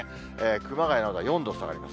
熊谷などは４度下がります。